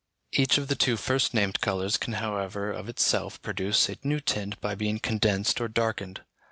Each of the two first named colours can however of itself produce a new tint by being condensed or darkened.